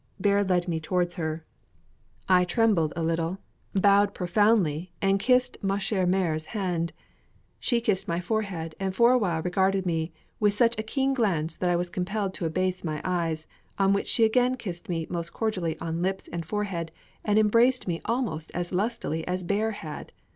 Bear led me towards her. I trembled a little, bowed profoundly, and kissed ma chère mère's hand. She kissed my forehead, and for a while regarded me with such a keen glance, that I was compelled to abase my eyes, on which she again kissed me most cordially on lips and forehead, and embraced me almost as lustily as Bear had.